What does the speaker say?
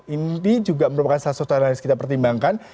inti juga merupakan salah satu hal yang harus kita pertimbangkan